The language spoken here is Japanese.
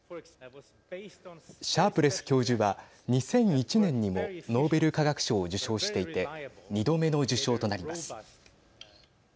シャープレス教授は２００１年にもノーベル化学賞を受賞していて２度目の受賞となります。